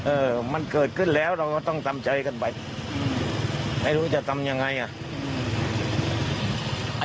เออมันเกิดขึ้นแล้วเราก็ต้องทำใจกันไปไม่รู้จะทำยังไงอ่ะ